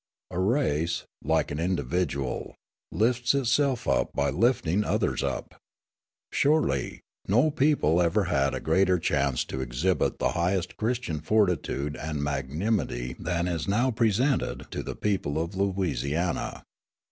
A race, like an individual, lifts itself up by lifting others up. Surely, no people ever had a greater chance to exhibit the highest Christian fortitude and magnanimity than is now presented to the people of Louisiana.